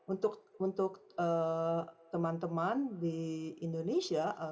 untuk teman teman di indonesia